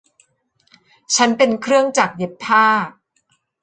ฉันเป็นเครื่องจักรเย็บผ้า